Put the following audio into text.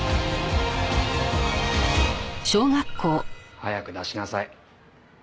早く出しなさい。